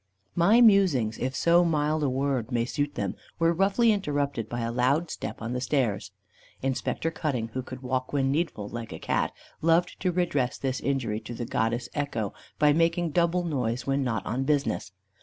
My musings, if so mild a word may suit them, were roughly interrupted by a loud step on the stairs. Inspector Cutting, who could walk when needful like a cat, loved to redress this injury to the Goddess Echo, by making double noise when not on business.